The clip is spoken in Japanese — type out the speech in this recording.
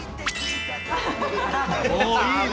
おいいね。